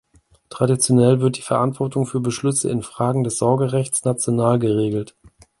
Traditionell wird die Verantwortung für Beschlüsse in Fragen des Sorgerechts national geregelt.